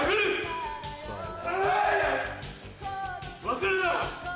忘れるな！